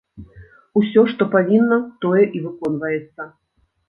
Усё, што павінна, тое і выконваецца.